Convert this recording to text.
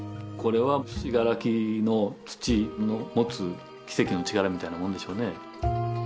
これは信楽の土の持つ奇跡の力みたいなもんでしょうね